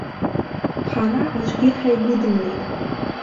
Ҳара аӡәгьы ҳаигәыдымлеит!